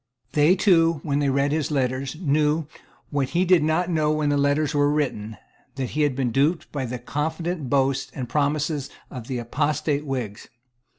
They too, when they read his letters, knew, what he did not know when the letters were written, that he had been duped by the confident boasts and promises of the apostate Whigs.